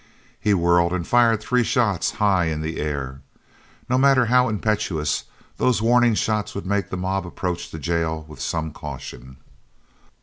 He whirled and fired three shots high in the air. No matter how impetuous, those warning shots would make the mob approach the jail with some caution.